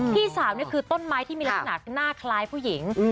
พี่สาวนี่คือต้นไม้ที่มีลักษณะหน้าคล้ายผู้หญิง